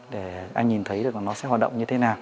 để anh nhìn thấy được là nó sẽ hoạt động